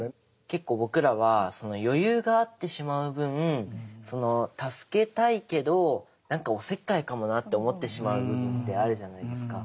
結構僕らは余裕があってしまう分助けたいけどなんかおせっかいかもなって思ってしまう部分ってあるじゃないですか。